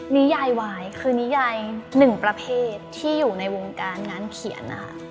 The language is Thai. นิยายวายคือนิยายหนึ่งประเภทที่อยู่ในวงการงานเขียนนะคะ